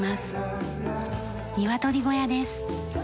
ニワトリ小屋です。